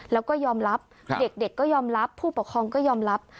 แล้วก็ยอมรับเด็กก็ยอมรับผู้ปกครองก็ยอมรับ